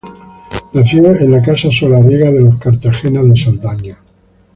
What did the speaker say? Nació en la casa solariega de los Cartagena de Saldaña.